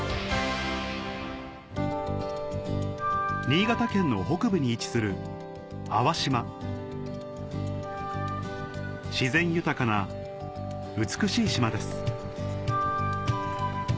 新潟県の北部に位置する粟島自然豊かな美しい島です